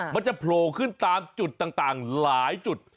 โผล่ขึ้นตามจุดต่างหลายจุด